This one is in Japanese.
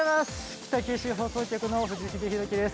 北九州放送局の藤重博貴です。